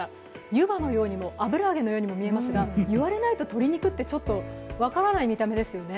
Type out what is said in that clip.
湯葉のようにも、油揚げのようにも見えますが、言われないと鶏肉って分からない見た目ですよね。